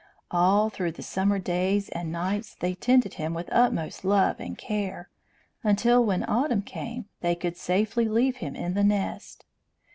All through the summer days and nights they tended him with utmost love and care, until, when autumn came, they could safely leave him in the nest.